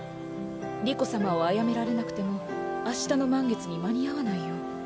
理子様を殺められなくても明日の満月に間に合わないよう。